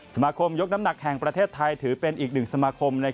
นายกน้ำหนักแห่งประเทศไทยถือเป็นอีกหนึ่งสมาคม